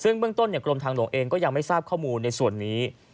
ซึ่งเบื้องต้นกรมทางหลวงเองก็ยังไม่ทราบข้อมูลในส่วนนี้